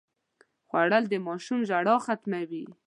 خوړل د ماشوم ژړا ختموي